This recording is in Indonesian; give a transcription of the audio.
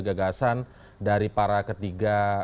gagasan dari para ketiga